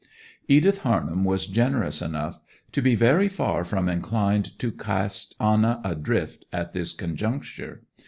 Edith Harnham was generous enough to be very far from inclined to cast Anna adrift at this conjuncture.